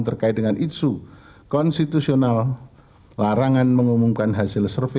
terkait dengan isu konstitusional larangan mengumumkan hasil survei